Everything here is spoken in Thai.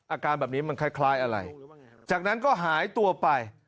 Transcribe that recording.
อาการแบบนี้มันคล้ายอะไรจากนั้นก็หายตัวไป